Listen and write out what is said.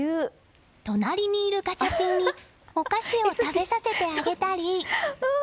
隣にいるガチャピンにお菓子を食べさせてあげたり。